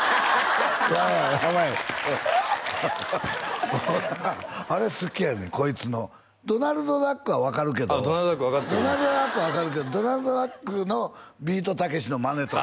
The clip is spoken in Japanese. やばいアハハハあれ好きやねんこいつのドナルドダックは分かるけどドナルドダックは分かるけどドナルドダックのビートたけしのマネとかね